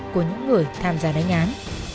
của những người tham gia đánh án